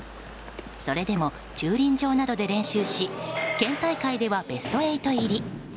それでも、駐輪場などで練習し県大会ではベスト８入り。